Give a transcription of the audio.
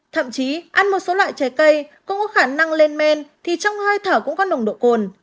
thậm chí ăn một số loại trái cây cũng có khả năng lên men thì trong hơi thở cũng có nồng độ cồn